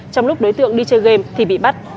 trong lúc đối tượng đi chơi game thì bị bắt